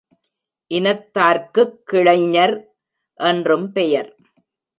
இனத்தார்க்குக் கிளைஞர் என்றும்பெயர்.